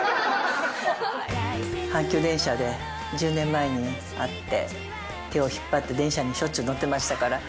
阪急電車で１０年前に会って、手を引っ張って、電車にしょっちゅう、乗ってましたから。